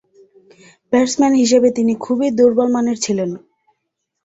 Batsman হিসেবে তিনি খুবই দূর্বলমানের ছিলেন।